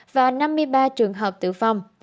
và năm mươi ba trường hợp tử vong